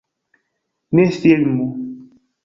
Ne filmu